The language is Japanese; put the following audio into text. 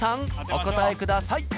お答えください。